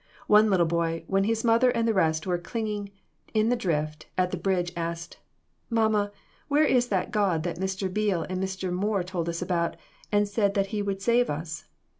One little boy, when his mother and the rest were clinging in the drift at the [Illustration: AT THE STONE BRIDGE.] bridge, asked, "Mamma, where is that God that Mr. Beale and Mr. Moore told us about, and said that he would save us?"